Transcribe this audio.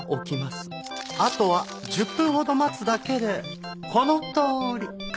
あとは１０分ほど待つだけでこのとおり。